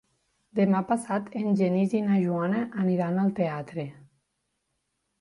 Demà passat en Genís i na Joana aniran al teatre.